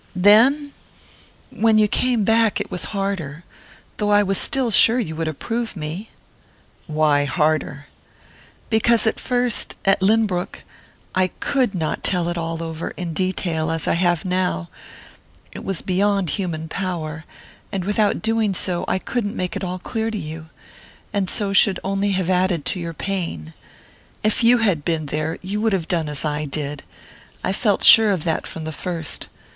"Then when you came back it was harder...though I was still sure you would approve me." "Why harder?" "Because at first at Lynbrook I could not tell it all over, in detail, as I have now...it was beyond human power...and without doing so, I couldn't make it all clear to you...and so should only have added to your pain. If you had been there you would have done as I did.... I felt sure of that from the first.